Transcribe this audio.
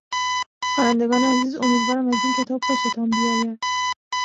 خوانندگان عزیز امیدوارم از این کتاب خوشتان بیاید.